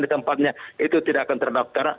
di tempatnya itu tidak akan terdaftar